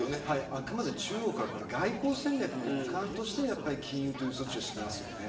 あくまで中国は外交戦略の一環として禁輸という措置をしていますよね。